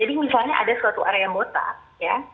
jadi misalnya ada suatu area yang botak ya